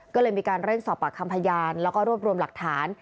ก็เลยมีการเร่งสอบปากคำพยานแล้วก็รวบรวมหลักฐาน